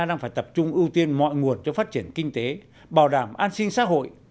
đang phải tập trung ưu tiên mọi nguồn cho phát triển kinh tế bảo đảm an sinh xã hội